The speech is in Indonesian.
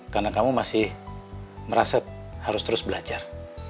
karena kamu masih merasakan harus terus belajar